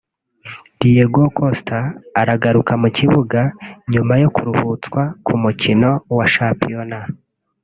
Diego Costa aragaruka mu kibuga nyuma yo kuruhutswa ku mukino wa Shampiyona